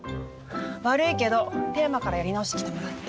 悪いけどテーマからやり直してきてもらって。